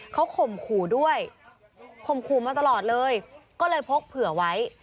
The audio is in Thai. เขาข่มขู่ด้วยข่มขู่มาตลอดเลยก็เลยพกเผื่อไว้